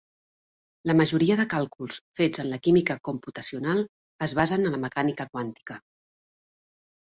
La majoria de càlculs fets en la química computacional es basen en la mecànica quàntica.